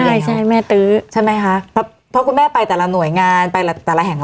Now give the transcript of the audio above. ใช่ใช่แม่ตื้อใช่ไหมคะเพราะคุณแม่ไปแต่ละหน่วยงานไปแต่ละแห่ง